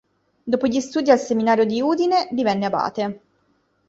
Dopo gli studi al seminario di Udine, divenne abate.